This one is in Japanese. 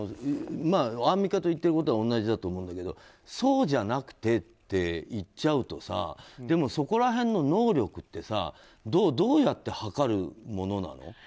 アンミカと言っていることは同じだと思うけどそうじゃなくてって言っちゃうとでも、そこら辺の能力ってどうやって図るものなの。